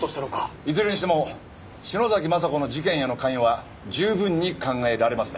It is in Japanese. いずれにしても篠崎昌子の事件への関与は十分に考えられますね。